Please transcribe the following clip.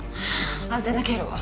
安全な経路は？